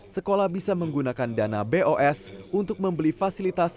sekolah bisa menggunakan dana bos untuk membeli fasilitas